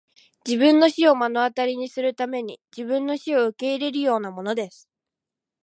自分の死を目の当たりにするために自分の死を受け入れるようなものです!